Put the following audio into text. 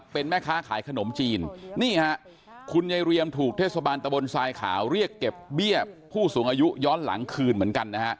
เป็นแม่ค้าขายขนมจีนนี่ฮะคุณยายเรียมถูกเทศบาลตะบนทรายขาวเรียกเก็บเบี้ยผู้สูงอายุย้อนหลังคืนเหมือนกันนะฮะ